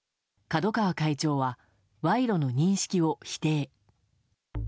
角川会長は賄賂の認識を否定。